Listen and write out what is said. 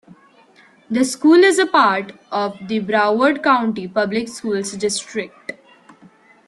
The school is a part of the Broward County Public Schools district.